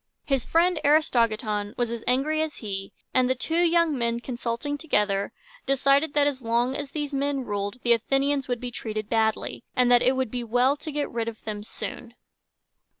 His friend, Aristogiton, was as angry as he; and the two young men, consulting together, decided that as long as these men ruled, the Athenians would be treated badly, and that it would be well to get rid of them soon.